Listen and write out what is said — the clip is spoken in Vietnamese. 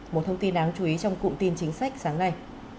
một thông tin đáng chú ý trong cụm tin chính sách sáng nay